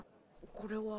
これは。